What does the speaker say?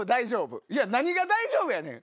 「いや何が大丈夫やねん！」